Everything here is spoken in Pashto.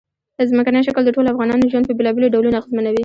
ځمکنی شکل د ټولو افغانانو ژوند په بېلابېلو ډولونو اغېزمنوي.